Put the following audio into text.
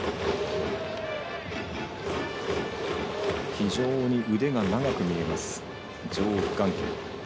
非常に腕が長く見えますガンケル。